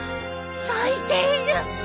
咲いている